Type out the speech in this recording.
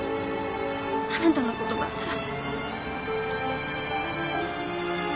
あなたのことだったら。